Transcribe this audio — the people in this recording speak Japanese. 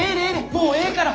もうええから！